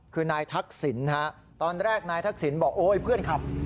คือนายทักศิลป์ครับตอนแรกนายทักศิลป์บอกเพื่อนขับ